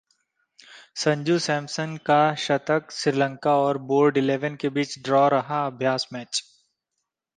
संजू सैमसन का शतक, श्रीलंका और बोर्ड इलेवन के बीच ड्रा रहा अभ्यास मैच